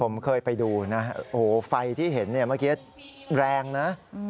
ผมเคยไปดูนะโอ้โหไฟที่เห็นเนี่ยเมื่อกี้แรงนะ